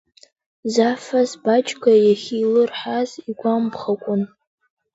Зафас Баџьга иахьилырҳаз игәамԥхакәан.